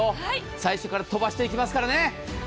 最初から飛ばしていきますからね。